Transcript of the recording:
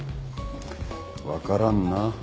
分からんな。